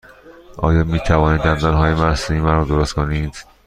آیا می توانید دندانهای مصنوعی مرا درست کنید؟